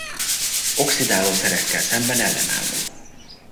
Oxidálószerekkel szemben ellenálló.